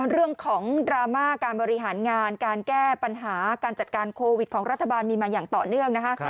เรื่องของดราม่าการบริหารงานการแก้ปัญหาการจัดการโควิดของรัฐบาลมีมาอย่างต่อเนื่องนะคะ